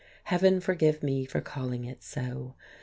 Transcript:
Heaven forgive me for calling it so!